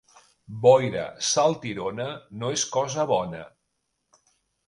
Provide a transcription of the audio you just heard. Boira saltirona no és cosa bona.